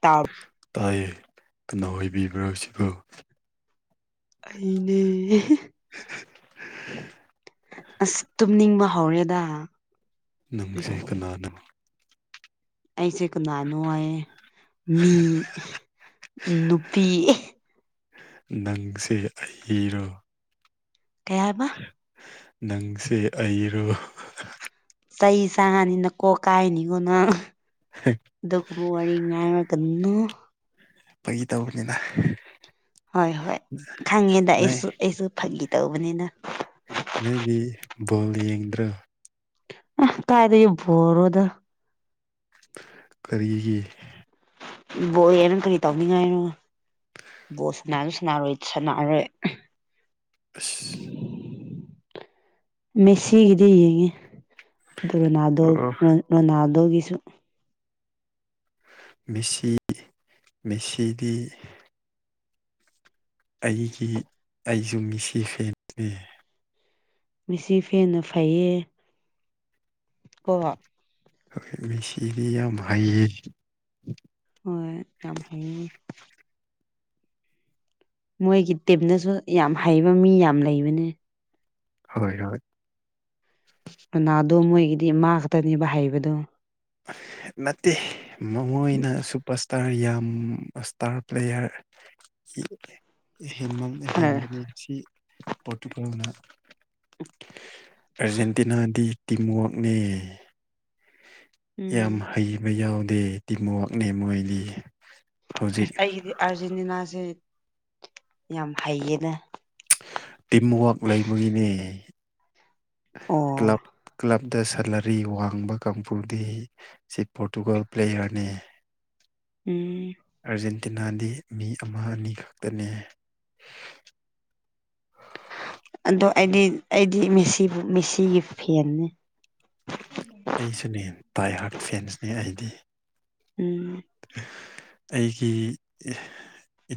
ꯇꯥꯎ ꯇꯥꯏꯌꯦ ꯀꯅꯥ ꯑꯣꯏꯕꯤꯕ꯭ꯔ ꯁꯤꯕꯨ ꯑꯩꯅꯦ ꯐꯥꯎꯔꯦꯗꯥ ꯅꯪꯁꯦ ꯀꯅꯥꯅꯣ ꯑꯩꯁꯦ ꯀꯅꯥꯅꯣ ꯍꯥꯏꯌꯦ ꯃꯤ ꯎꯝ ꯅꯨꯄꯤ ꯅꯪꯁꯦ ꯑꯩꯒꯤꯔꯣ ꯀꯩ ꯍꯥꯏꯕ ꯅꯪꯁꯦ ꯑꯩꯔꯣ ꯆꯩ ꯆꯥꯅꯤ ꯅꯀꯣꯛ ꯀꯥꯏꯅꯤꯒꯣ ꯅꯪ ꯑꯗꯨꯒꯨꯝꯕ ꯋꯥꯔꯤ ꯉꯥꯏꯔꯛꯀ ꯅꯨ ꯐꯒꯤ ꯇꯧꯕꯅꯤꯗ ꯍꯣꯏ ꯍꯣꯏ ꯈꯪꯉꯦꯗ ꯅꯣꯏ ꯑꯩꯁꯨ ꯑꯩꯁꯨ ꯐꯥꯒꯤ ꯇꯧꯕꯅꯤꯅ ꯅꯪꯗꯤ ꯕꯣꯜ ꯌꯦꯡꯗ꯭ꯔꯣ ꯑ ꯀꯥꯏꯗꯩ ꯕꯣꯜꯔꯣꯗ ꯀꯔꯤꯒꯤ ꯕꯣꯜ ꯌꯦꯡꯉꯥ ꯀꯔꯤ ꯇꯧꯅꯤꯡꯉꯥꯏꯅꯣ ꯕꯣꯜ ꯁꯅꯥꯁꯨ ꯁꯅꯥꯔꯣꯏ ꯁꯅꯥꯔꯣꯏ ꯑꯁ ꯃꯦꯁꯤꯒꯤꯗꯤ ꯌꯦꯡꯉꯦ ꯑꯗꯨ ꯔꯣꯅꯥꯜꯗꯣ ꯑꯣ ꯔꯣꯅꯥꯜ ꯗꯣꯒꯤꯁꯨ ꯃꯦꯁꯤ ꯃꯦꯁꯤꯗꯤ ꯑꯩꯒꯤ ꯑꯩꯁꯨ ꯃꯤꯁꯤ ꯐꯦꯟꯅꯦ ꯃꯤꯁꯤ ꯐꯦꯟꯅ ꯐꯩꯌꯦ ꯀꯣꯕ ꯍꯣꯏ ꯃꯤꯁꯤꯗꯤ ꯌꯥꯝ ꯍꯩꯌꯦ ꯍꯣꯏ ꯌꯥꯝ ꯍꯩꯅꯤ ꯃꯣꯏꯒꯤ ꯇꯤꯝꯅꯁꯨ ꯌꯥꯝ ꯍꯩꯕ ꯃꯤ ꯌꯥꯝ ꯂꯩꯕꯅꯦ ꯍꯣꯏ ꯍꯣꯏ ꯔꯣꯅꯥꯗꯣ ꯃꯣꯏꯒꯤꯗꯤ ꯃꯥꯥ ꯈꯛꯇꯅꯦꯕ ꯍꯩꯕꯗꯣ ꯅꯠꯇꯦ ꯃꯉꯣꯏꯅ ꯁꯨꯄꯔ ꯏꯁ ꯇꯥꯔ ꯌꯥꯝ ꯏꯁꯇꯥꯔ ꯄ꯭ꯂꯦꯌꯥꯔ ꯌꯤ ꯍꯦꯟꯃꯟꯅꯤ ꯍꯦꯟꯕꯅꯤ ꯁꯤ ꯄꯣꯔꯇꯨꯒꯜꯅ ꯑꯥꯔꯖꯦꯟꯇꯤꯅꯥꯗꯤ ꯇꯤꯝ ꯋꯥꯛꯅꯦ ꯌꯥꯝ ꯎꯝ ꯍꯩꯕ ꯌꯥꯎꯗꯦ ꯇꯤꯝ ꯋꯥꯛꯅꯦ ꯃꯣꯏꯗꯤ ꯍꯧꯖꯤꯛ ꯑꯁ ꯑꯩꯒꯤꯗꯤ ꯑꯥꯔꯖꯦꯟꯇꯤꯅꯥꯁꯦ ꯌꯥꯝ ꯍꯩꯌꯦꯅꯦ ꯇꯤꯝ ꯋꯥꯔꯛ ꯂꯩꯕꯒꯤꯅꯦ ꯑꯣ ꯗ ꯁꯂꯔꯤ ꯋꯥꯡꯕ ꯀꯥꯡꯕꯨꯗꯤ ꯁꯤ ꯄꯣꯔꯇꯨꯒꯜ ꯄ꯭ꯂꯦꯌꯔꯅꯤ ꯎꯝ ꯑꯥꯔꯖꯦꯟꯇꯤꯅꯥꯗꯤ ꯃꯤ ꯑꯃꯅꯤ ꯈꯛꯇꯅꯦ [inaudible] ꯑꯗꯣ ꯑꯩꯗꯤ ꯑꯩꯗꯤ ꯃꯦꯁꯤꯕꯨ ꯃꯦꯁꯤꯒꯤ ꯐꯦꯟꯅꯤ ꯑꯩꯁꯨꯅꯦ ꯄꯥꯏ ꯍꯥꯔꯠ ꯐꯦꯟꯁꯅꯦ ꯑꯩꯗꯤ ꯎꯝ ꯑꯩꯒꯤ ꯏ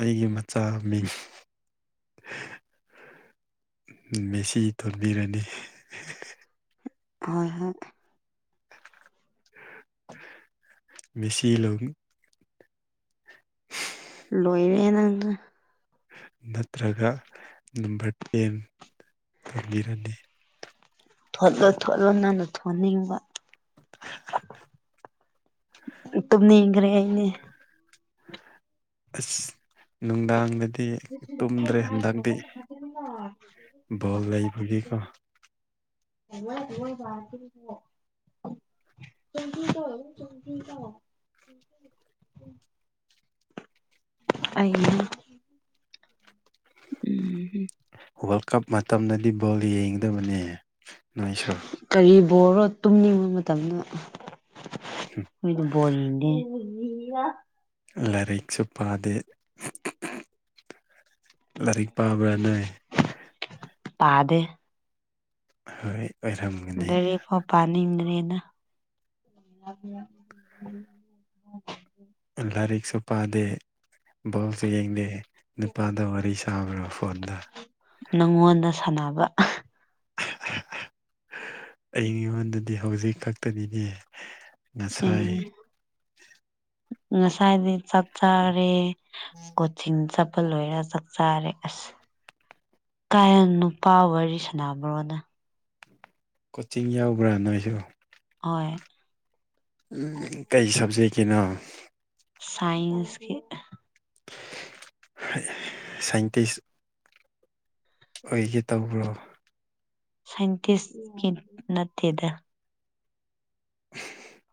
ꯑꯩꯒꯤ ꯃꯆꯥ ꯃꯤꯡ ꯍꯨꯝ ꯍꯥ ꯍꯥ ꯃꯦꯁꯤ ꯊꯣꯟꯕꯤꯔꯅꯤ ꯍꯤ ꯍꯤ ꯍꯤ ꯍꯣꯏ ꯍꯣꯏ ꯃꯦꯁꯤ ꯂꯧꯃꯤ ꯂꯣꯏꯔꯦ ꯅꯪꯅ ꯅꯠꯇ꯭ꯔꯒ ꯅꯝꯕꯔ ꯇꯦꯟ ꯊꯣꯟꯕꯤꯔꯅꯤ ꯊꯣꯠꯂꯣ ꯊꯣꯠꯂꯣ ꯅꯪꯅ ꯊꯣꯟꯅꯤꯡꯕ ꯍꯥ ꯍꯥ ꯍꯥ ꯇꯨꯝꯅꯤꯡꯒꯔꯦ ꯑꯥꯏꯅꯦ ꯁ ꯅꯨꯡꯗꯥꯡꯗꯗꯤ ꯗꯤ ꯇꯨꯝꯗ꯭ꯔꯦ ꯍꯟꯗꯛꯇꯤ ꯕꯣꯜ ꯂꯩꯕꯒꯤꯀꯣ ꯑꯦ ꯄꯇꯣ [unintelligible] [unintelligible] ꯑꯩꯅꯤ ꯎꯝ ꯍꯨꯝ ꯋꯥꯔꯜ ꯀꯞ ꯃꯇꯝꯗꯗꯤ ꯕꯣꯜ ꯌꯦꯡꯒꯗꯕꯅꯦ ꯅꯣꯏꯁꯨ ꯕꯣꯔꯣ ꯇꯨꯝꯅꯤꯡ ꯃꯇꯝꯗ ꯅꯣꯏꯅ ꯕꯣꯜ ꯌꯦꯡꯗꯦ ꯌꯦꯡꯉꯤꯔꯥ ꯂꯥꯏꯔꯤꯛꯁꯨ ꯄꯥꯗꯦ ꯂꯥꯏꯔꯤꯛ ꯄꯥꯕ꯭ꯔꯥ ꯅꯏ ꯄꯥꯗꯦ ꯍꯣꯏ ꯑꯣꯏꯔꯝꯒꯅꯤ ꯂꯥꯏꯔꯤꯛꯐꯥ ꯄꯥꯅꯤꯗꯔꯦꯅꯦ [unintelligible] ꯂꯥꯏꯔꯤꯛꯁꯨ ꯄꯥꯗꯦ ꯕꯣꯜꯁꯨ ꯌꯦꯡꯗꯦ ꯅꯨꯄꯥꯗ ꯋꯥꯔꯤ ꯁꯥꯕ꯭ꯔꯣ ꯐꯣꯟꯗ ꯅꯪꯉꯣꯟꯗ ꯁꯥꯟꯅꯕ ꯑꯩꯉꯣꯟꯗꯗꯤ ꯍꯧꯖꯤꯛ ꯈꯛꯇꯅꯤꯅꯦ ꯉꯁꯥꯏ ꯎ ꯁꯥꯏꯗꯤ ꯆꯠꯆꯔꯦ ꯀꯣꯆꯤꯡ ꯆꯠ ꯄ ꯂꯣꯏꯔ ꯆꯥꯛ ꯆꯥꯔꯦ ꯑꯁ ꯀꯥꯌꯦꯟ ꯅꯨꯄꯥ ꯋꯥꯔꯤ ꯁꯅꯕꯔꯣꯅ ꯀꯣꯆꯤꯡ ꯌꯥꯎꯕ꯭ꯔꯥ ꯅꯣꯏꯁꯨ ꯍꯣꯏ ꯀꯩ ꯁꯕꯖꯦꯛꯀꯤꯅꯣ ꯁꯥꯏꯟꯁꯀꯤ ꯁꯥꯏꯟꯇꯤꯁ ꯑꯣꯏꯒꯦ ꯇꯧꯕ꯭ꯔꯣ ꯁꯥꯏꯟꯇꯤꯁꯀꯤ ꯅꯠꯇꯦꯗ [unintelligible]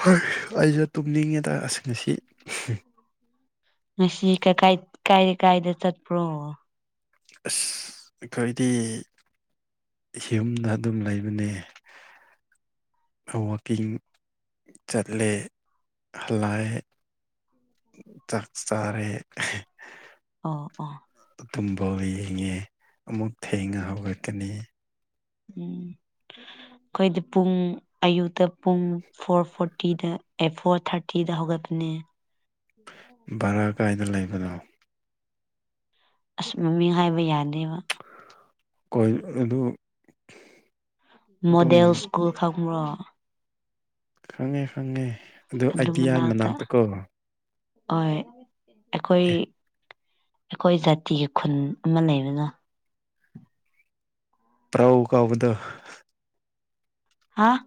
ꯍꯣꯏ ꯑꯩꯁꯨ ꯇꯨꯝꯅꯤꯡꯉꯤꯗꯁꯤꯡ ꯑꯁꯤ ꯉꯁꯤ ꯀꯥꯏ ꯀꯥꯏꯗ ꯀꯥꯏꯗ ꯆꯠꯄ꯭ꯔꯣ ꯑꯁ ꯑꯩꯈꯣꯏꯗꯤ ꯌꯨꯝꯗ ꯑꯗꯨꯝ ꯂꯩꯕꯅꯤ ꯋꯥꯋꯀꯤꯡ ꯆꯠꯂꯦ ꯍꯜꯂꯑꯦ ꯆꯥꯛ ꯇꯔꯦ ꯑꯣ ꯑꯣ ꯇꯨꯝꯕꯥꯎ ꯌꯦꯡꯉꯦ ꯑꯃꯨꯛ ꯊꯦꯡꯉ ꯍꯧꯒꯠꯀꯅꯤ ꯎꯝ ꯑꯩꯈꯣꯏꯗꯤ ꯄꯨꯡ ꯑꯌꯨꯛꯇ ꯄꯨꯡ ꯐꯣꯔ ꯐꯣꯔꯇꯤꯗ ꯑꯦ ꯐꯣꯔ ꯊꯥꯔꯇꯤꯗ ꯍꯧꯒꯠꯄꯅꯦ ꯄꯨ ꯕꯔꯥ ꯀꯥꯏꯗ ꯂꯩꯕꯅꯣ ꯑꯁ ꯃꯃꯤ ꯍꯥꯏꯕ ꯌꯥꯗꯦꯕ ꯀꯣꯏ ꯑꯗꯨ ꯑꯗꯨꯝ ꯃꯗꯦꯜ ꯁ꯭ꯀꯨꯜ ꯈꯈꯃꯔꯥ ꯈꯪꯉꯦ ꯈꯪꯉꯦ ꯑꯗꯨ ꯑꯥꯏꯗꯤꯌꯥꯒꯤ ꯃꯅꯥꯛꯇꯀꯣ ꯍꯣꯏ ꯑꯩꯈꯣꯏ ꯑꯦ ꯑꯩꯈꯣꯏ ꯖꯥꯇꯤꯒꯤ ꯈꯨꯟ ꯑꯃ ꯂꯩꯕꯅ ꯄ꯭ꯔꯎ ꯀꯥꯎꯕꯗ ꯍꯥꯥ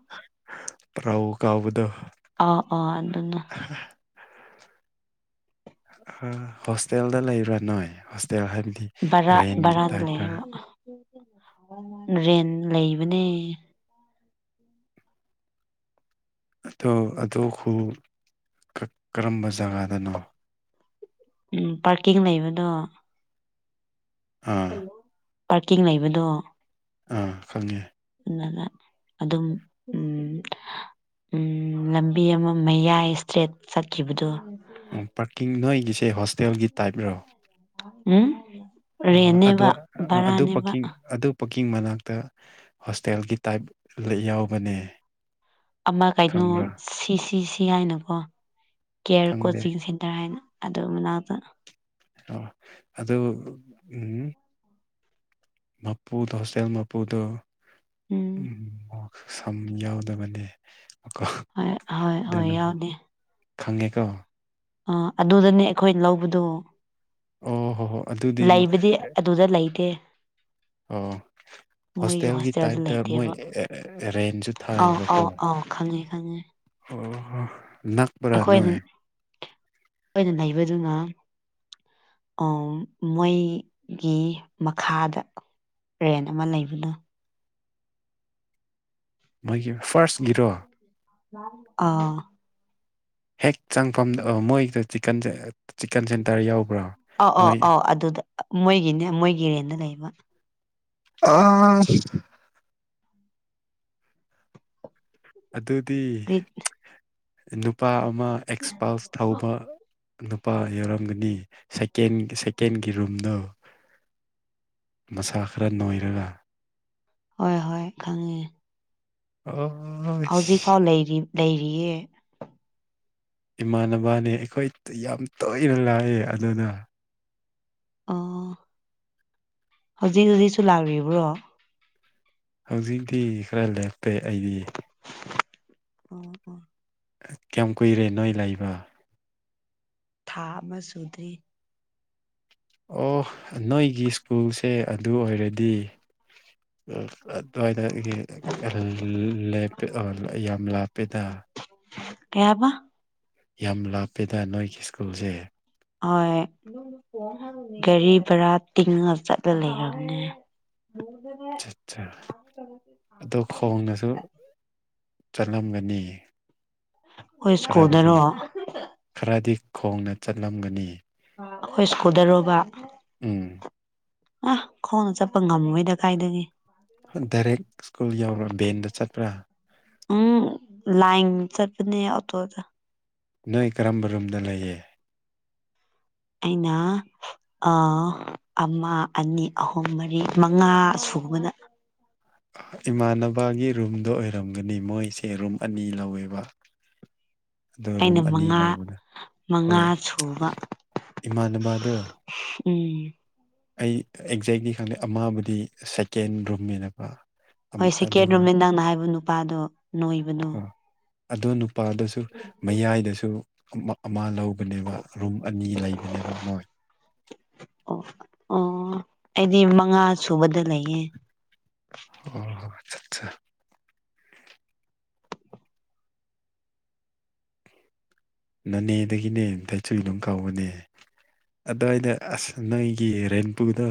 ꯄ꯭ꯔꯎ ꯀꯥꯎꯕꯗꯣ ꯑ ꯑ ꯑꯗꯨꯅ ꯍꯣꯁꯇꯦꯜꯗ ꯂꯩꯕ꯭ꯔꯥ ꯅꯣꯏ ꯍꯥꯏꯗꯤ ꯕꯔꯥ ꯔꯦꯟꯒꯤ ꯕꯔꯥꯗ ꯂꯩꯌꯦꯕ ꯇꯥꯏꯇꯔ ꯔꯦꯟ ꯂꯩꯕꯅꯦ ꯑꯗꯣ ꯑꯗꯨꯣ ꯍ ꯀꯔꯝꯕ ꯖꯒꯥꯗꯅꯣ ꯎꯝ ꯄꯥꯔꯀꯤꯡ ꯂꯩꯕꯗꯣ ꯑꯥ ꯄꯥꯔꯀꯤꯡ ꯂꯩꯕꯗꯣ ꯑꯥ ꯈꯪꯉꯦ ꯑꯗꯨ ꯑꯗꯨꯝ ꯎꯝ ꯎꯝ ꯂꯝꯕꯤ ꯑꯃ ꯃꯌꯥꯏ ꯏꯁꯇ꯭ꯔꯦꯠ ꯆꯠꯈꯤꯕꯗꯨꯣ ꯎ ꯄꯥꯔꯀꯤꯡ ꯅꯣꯏꯒꯤꯁꯦ ꯍꯣꯁꯇꯦꯜꯒꯤ ꯇꯥꯏꯞꯔꯣ ꯎꯝ ꯑꯗꯨ ꯔꯦꯟꯅꯦꯕ ꯑꯗꯨ ꯕꯔꯥꯅꯦꯕ ꯄꯀꯤꯡ ꯑꯗꯨ ꯄꯨꯛꯀꯤꯡ ꯃꯅꯥꯛꯇ ꯍꯣꯁꯇꯦꯜꯒꯤ ꯇꯥꯏꯞ ꯌꯥꯎꯕꯅꯦ ꯑꯃ ꯀꯩꯅꯣ ꯈꯪꯕ꯭ꯔꯥ ꯁꯤ ꯁꯤ ꯁꯤ ꯍꯥꯏꯅꯀꯣ ꯀꯦꯌꯔ ꯈꯪꯗꯦ ꯀꯣꯆꯤꯡ ꯁꯦꯟꯇꯔ ꯍꯥꯏꯅ ꯑꯗꯣꯃꯤꯅꯥꯗ ꯑ ꯑꯗ ꯎꯝ ꯃꯄꯨꯗ ꯍꯣꯁꯇꯦꯜ ꯃꯥꯄꯨꯗ ꯎꯝ ꯁꯝ ꯌꯥꯎꯗꯕꯅꯦ ꯀꯣ ꯍꯣꯏ ꯍꯣꯏ ꯍꯣꯏ ꯌꯥꯎꯅꯤ ꯈꯪꯉꯦꯀ ꯑꯥ ꯑꯗꯨꯗꯅꯦ ꯑꯩꯈꯣꯏ ꯂꯧꯕꯗꯣ ꯑꯣ ꯍꯣ ꯍꯣ ꯑꯗꯨꯗꯤ ꯃ- ꯂꯩꯕꯗꯤ ꯑꯗꯨꯗ ꯂꯩꯇꯦ ꯑꯣ ꯃꯣꯏꯒꯤ ꯍꯣꯁꯇꯦꯜꯒꯤ ꯍꯣꯁꯇꯦꯜꯗ ꯇꯥꯏꯞꯇ ꯃꯣꯏ ꯂꯩꯇꯦꯕ ꯔꯦꯟꯁꯨ ꯑꯧ ꯊꯥꯏꯕꯀꯣ ꯑꯧ ꯑꯧ ꯈꯪꯉꯦ ꯈꯪꯉꯦ ꯑꯣ ꯅꯥꯛꯄꯔꯥ ꯅꯣꯏ ꯅ ꯂꯩꯕꯗꯨꯅ ꯃꯣꯏꯒꯤ ꯃꯈꯥꯗ ꯔꯦꯟ ꯑꯃ ꯂꯩꯕꯅ ꯃꯣꯏꯒꯤ ꯐꯥꯔꯁ ꯒꯤꯔꯣ ꯑꯥ ꯍꯦꯛ ꯆꯪꯐꯝ ꯃꯣꯏꯗ ꯆꯤꯀꯟ ꯆꯤꯛꯀꯟ ꯁꯦꯟꯇꯔ ꯌꯥꯎꯕ ꯑ ꯑꯧ ꯑꯧ ꯑꯗꯨꯗ ꯃꯣꯏꯒꯤꯅꯦ ꯃꯣꯏꯒꯤꯔꯦꯟꯗ ꯂꯩꯕ ꯑꯥ ꯑꯗꯨꯗꯤ ꯅꯨꯄꯥ ꯑꯃ ꯑꯦꯛꯁꯄꯥꯜꯁ ꯊꯧꯕ ꯅꯨꯄꯥ ꯌꯥꯎꯔꯝꯒꯅꯤ ꯁꯀꯦꯟ ꯁꯦꯀꯦꯟꯒꯤ ꯔꯨꯝꯗꯣ ꯃꯁꯥ ꯈꯔ ꯅꯣꯏꯔꯒ ꯍꯣꯏ ꯍꯣꯏ ꯈꯪꯉꯦ ꯑꯣ ꯍꯧꯖꯤꯛꯐꯥꯎ ꯂꯩꯔꯤꯌꯦ ꯏꯃꯥꯟꯅꯕꯅꯦ ꯑꯩꯈꯣꯏꯗ ꯌꯥꯝ ꯇꯣꯏꯅ ꯂꯥꯛꯑꯦ ꯑꯗꯨꯅ ꯑ ꯍꯧꯖꯤꯛ ꯍꯧꯖꯤꯛꯁꯨ ꯂꯥꯛꯔꯤꯕ꯭ꯔꯣ ꯍꯧꯖꯤꯛꯇꯤ ꯈꯔ ꯂꯦꯞꯇꯦ ꯑꯩꯗꯤ ꯑꯣ ꯑꯣ ꯀꯌꯥꯝ ꯀꯨꯏꯔꯦ ꯅꯣꯏ ꯂꯩꯕ ꯊꯥ ꯑꯃ ꯁꯨꯗ꯭ꯔꯤ ꯑꯣ ꯅꯣꯏꯒꯤ ꯁ꯭ꯀꯨꯜꯁꯦ ꯑꯗꯨ ꯑꯣꯏꯔꯗꯤ ꯑꯗꯨꯋꯥꯏꯗꯒꯤ ꯌꯥꯝ ꯂꯥꯞꯄꯦꯗ ꯀꯌꯥꯕ ꯌꯥꯝ ꯂꯥꯞꯄꯦꯗ ꯅꯣꯏꯒꯤ ꯁ꯭ꯀꯨꯜꯁꯦ ꯍꯣꯏ ꯒꯥꯔꯤ ꯚꯔꯥ ꯇꯤꯡꯉ ꯆꯠꯂ ꯂꯩꯔꯝꯅꯦ ꯑ ꯑꯠ ꯑꯗꯣ ꯈꯣꯡꯅꯁꯨ ꯆꯠꯂꯝꯒꯅꯤ ꯑꯩꯈꯣꯏ ꯈꯔꯕꯨꯗꯤ ꯁ꯭ꯀꯨꯜꯗꯔꯣ ꯈꯔꯗꯤ ꯈꯣꯡꯅ ꯆꯠꯂꯝꯒꯅꯤ ꯑꯩꯈꯣꯏ ꯁ꯭ꯀꯨꯗꯔꯨꯕ ꯎꯝ ꯑ ꯈꯣꯡꯅ ꯆꯠꯄ ꯉꯝꯃꯣꯏꯗ ꯀꯥꯏꯗꯒꯤ ꯗꯥꯏꯔꯦꯛ ꯁ꯭ꯀꯨꯜ ꯌꯎꯕ꯭ꯔ ꯚꯕꯦꯟꯗ ꯆꯠꯄ꯭ꯔꯥ ꯆꯔꯄꯅꯦ ꯑꯣ ꯇꯣꯗ ꯅꯣꯏ ꯀꯔꯝꯕ ꯔꯨꯝꯗ ꯂꯩꯌꯦ ꯑꯅꯥ ꯑ ꯑꯃ ꯑꯅꯤ ꯑꯍꯨꯝ ꯃꯔꯤ ꯃꯉꯥ ꯁꯨꯕꯅ ꯏꯃꯥꯟꯅꯕꯒꯤ ꯔꯨꯝꯗꯣ ꯑꯣꯏꯔꯝꯒꯅꯤ ꯃꯣꯏꯁꯦ ꯔꯨꯝ ꯑꯅꯤ ꯂꯧꯋꯦꯕ ꯑꯗꯣ ꯔꯨꯝ ꯑꯩꯅ ꯑꯅꯤ ꯃꯉꯥ ꯂꯧꯕꯗ ꯃꯉꯥ ꯁꯨꯕ ꯏꯃꯥꯥꯟꯅꯕꯗꯣ ꯎꯝ ꯑꯩ ꯑꯦꯛꯖꯦꯛꯂꯤ ꯈꯪꯗꯦ ꯑꯃꯥꯕꯨꯗꯤ ꯁꯦꯀꯦꯟ ꯔꯨꯝꯃꯦꯕ ꯍꯣꯏ ꯁꯦꯀꯦꯟ ꯔꯣꯃꯦꯟꯗꯥꯡꯅ ꯍꯥꯏꯕ ꯅꯨꯄꯥꯗꯣ ꯅꯣꯏꯕꯗꯣ ꯑꯗꯣ ꯅꯨꯄꯥꯗꯁꯨ ꯃꯌꯥꯏꯗꯁꯨ ꯑꯃ ꯂꯧ ꯅꯦꯕ ꯔꯨꯝ ꯑꯅꯤ ꯂꯩꯕꯅꯦꯕ ꯃꯣꯏ ꯑꯣ ꯑꯣ ꯑꯩꯗꯤ ꯃꯉꯥ ꯁꯨꯕꯗ ꯂꯩꯌꯦ ꯑꯣ ꯑꯆꯠ ꯁꯥ ꯅꯅꯦꯗꯒꯤꯅꯦꯇꯁꯨꯨ ꯑꯗꯨꯝ ꯀꯥꯎꯕꯅꯦ [unintelligible] ꯑꯗꯨꯋꯥꯏꯗ ꯑꯁ ꯅꫭꯒꯤ ꯔꯦꯟꯕꯨꯨꯗꯣ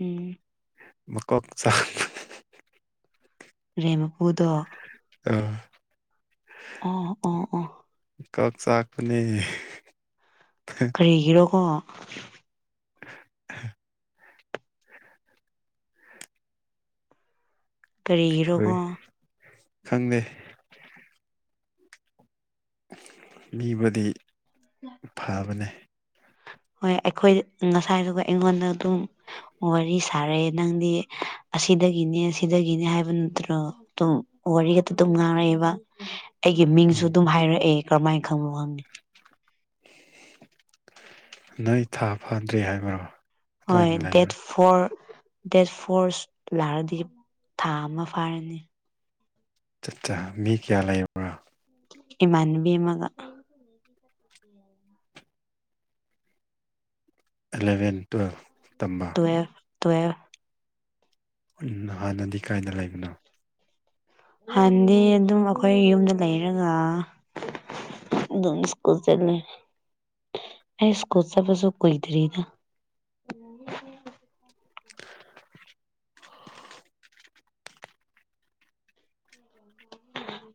ꯎꯝ ꯃꯀꯣꯛ ꯆꯥꯛꯄꯅ‌ꯦ ꯔꯦꯟ ꯃꯄꯨꯗꯣ ꯑꯥ ꯑꯣ ꯑꯣ ꯑꯣ ꯀꫭꯛꯆꯥꯥꯥꯛ ꯄꯅꯤ ꯀꯔꯤꯒꯤꯔꯣꯀꯣ [unintelligible] ꯑꯩꯈꯣꯏ ꯀꯔꯤꯒꯤꯔꯣꯀꫭ ꯈꯪꯗꯦ ꯃꯤꯕꯨꯗꯤ ꯐꯕꯅꯦ [unintelligible] ꯍꯣꯏ ꯑꯩꯈꯣꯏ ꯉꯁꯥꯏꯗꯨꯒ ꯑꯩꯉꯣꯟꯗ ꯑꯗꯨꯝ ꯋꯥꯔꯤ ꯁꯥꯔꯛꯑꯦ ꯅꯪꯗꯤ ꯑꯁꯤ ꯁꯤꯗꯒꯤꯅꯦ ꯁꯤꯗꯒꯤꯅꯦ ꯍꯥꯏꯕ ꯅꯠꯇ꯭ꯔꯣ ꯑꯗꯨꯝ ꯋꯥꯔꯤ ꯑꯗꯨꯇ ꯉꯥꯡꯔꯛꯏꯦꯕ ꯑꯩꯒꯤ ꯃꯤꯡꯁꯨ ꯎꯝ ꯑꯗꯨꯝ ꯍꯥꯏꯔꯛꯑꯦ ꯀꯔꯝꯃꯥꯏꯅ ꯈꯪꯕꯅꫭ ꯈꯪꯗ‌ꯦ ꯅꯪ ꯊꯥ ꯐꯥꯗ꯭ꯔꯤ ꯍꯥꯏꯕ꯭ꯔꯣ ꯍꯣꯏ ꯑꯗꯨꯃꯥꯏꯅ ꯗꯦꯠ ꯂꯩꯕ꯭ꯔꯥ ꯐꯣꯔ ꯗꯦꯠ ꯐꯣꯔꯁ ꯂꯥꯛꯑꯗꯤ ꯊꯥ ꯑꯃ ꯐꯥꯔꯅꯤ ꯆꯠ ꯆ ꯃꯤ ꯀꯌꯥ ꯂꯩꯕ꯭ꯔꫭ ꯑꯦꯃꯟꯅꯕꯤ ꯑꯃꯒꯥ ꯑꯦꯂꯚꯦꯟ ꯇꯨꯋꯦꯜꯐ ꯇꯝꯕ ꯇꯋꯦꯞ ꯍꯥꯟꯅꯗꯤ ꯀꯥꯏꯗ ꯂꯩꯕꯅꯣ ꯍꯥꯟꯗꯤ ꯑꯗꯨꯝ ꯑꯩꯈꯣꯏ ꯌꯨꯝꯗ ꯂꯩꯔꯒ ꯑꯗꯨꯝ ꯏꯁꯀꯨꯜ ꯆꯠꯂ‌ꯦ ꯑꯩ ꯏꯁꯀꯨꯜ ꯆꯠꯄꯁꯨ ꯀꯨꯏꯗꯔꯤꯗ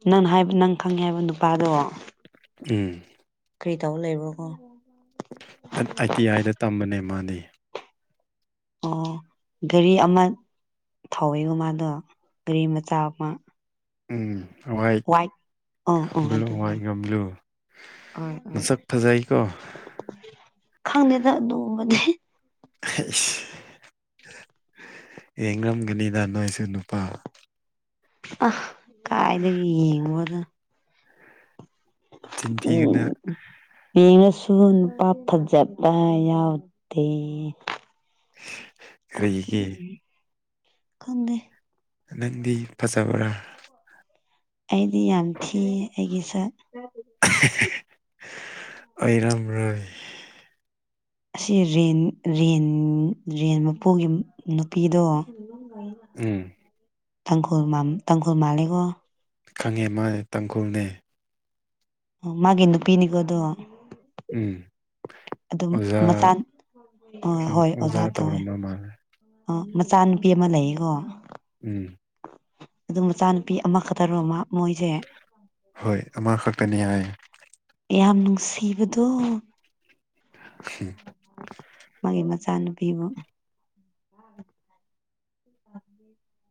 ꯅꯪ ꯍꯥꯏꯕ ꯅꯪ ꯈꯪꯉꯦ ꯍꯥꯏꯕ ꯅꯨꯄꯥꯗꯣ ꯎꯝ ꯀꯔꯤ ꯇꯧꯕ ꯂꯩꯕ꯭ꯔꯣ ꯀꯣ ꯑꯥꯏ ꯇꯤ ꯑꯥꯏꯗ ꯇꯝꯕꯅꯦ ꯃꯥꯗꯤ ꯑꯣ ꯒꯥꯔꯤ ꯑꯃ ꯊꯥꯎꯋꯏꯒꫭ ꯃꯥꯗꯣ ꯒꯥꯔꯤ ꯃꯆꯥ ꯑꯃ ꯎꯝ ꯍꯣꯏ ꯋꯥꯏꯠ ꯑꯣ ꯑꯣ ꯒꯝ꯭ꯂꯨ ꯑꯗꯨꯗꯣ ꯍꯏ ꯒꯝ꯭ꯂꯨ ꯃꯁꯛ ꯐꯖꯩꯀꯣ ꯈꯪꯗ‌ꯦꯗ ꯑꯗꯨꯒꯨꯝꯕꯗꯤ [unintelligible] ꯌꯦꯡꯔꯝꯒꯅꯤꯗ ꯅꯣꯏꯁꯨ ꯅꯨꯄꯥ ꯑ ꯀꯥꯏꯗꯒꯤ ꯌꯦꯡꯕꯅ‌ꫭ ꯆꯤꯟ ꯎꯝ ꯊꯤꯒꯅ ꯉꯁꯤ ꯁꯨꯟ ꯄꯥꯊꯖꯠꯄ ꯌꯥꯎꯗꯦ [unintelligible] ꯀꯔꯤꯒꯤ ꯈꯪꯗꯦ ꯅꯪꯗꯤ ꯐꯖꯕ꯭ꯔꯥ ꯑꯩꯗꯤ ꯌꯥꯝ ꯊꯤꯌꯦ ꯑꯩꯒꯤ ꯁꯛ ꯑꯩꯔꯝ ꯔꯝ ꯑꯁꯤ ꯔꯦꯟ ꯔꯦꯟ ꯃꯄꯨꯒꯤ ꯅꯨꯄꯤꯗꯣ ꯎꯝ ꯇꯥꯡꯈꯨꯜ ꯇꯥꯡꯈꯨꯜ ꯃꯥꯜꯂꯦꯀꯣ ꯈꯪꯉꯦ ꯃꯥꯅꯦ ꯇꯥꯡꯈꯨꯜꯅꯦ ꯃꯥꯒꯤ ꯅꯨꯄꯤꯅꯤꯀꯣ ꯑꯗꯣ ꯎꯝ ꯑꯗꯨꯝ ꯑꯣꯖꯥ ꯃꯆꯥ ꯑ ꯍꯣꯏ ꯑꯣꯖꯥ ꯇꯧꯋꯦ ꯇꯧꯔꯝꯕ ꯃꯥꯜꯂꯦ ꯑ ꯃꯆꯥꯅꯨꯄꯤ ꯑꯃ ꯂꯩꯌꯦꯀꯣ ꯎꯝ ꯑꯗꯨ ꯃꯆꯥꯅꯨꯄꯤ ꯑꯃ ꯈꯛꯇꯔꯣ ꯑꯃ ꯍꯣꯏ ꯑꯃꯥ ꯈꯛꯇꯅꯤ ꯍꯥꯏ ꯌꯥꯝ ꯅꯨꯡꯁꯤꯕꯗꯣ ꯎ ꯏꯆꯥꯅꯨꯄꯤꯕꯨ ꯦ